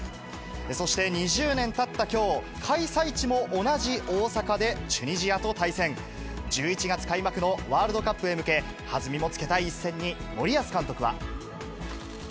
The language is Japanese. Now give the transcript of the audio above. そして２０年たったきょう、開催地も同じ大阪で、チュニジアと対戦。１１月開幕のワールドカップへ向け、弾みもつけたい一戦に森保監督は。